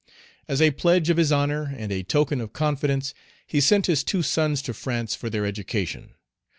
As a pledge of his honor and a token of confidence, he sent his two sons to France for their education.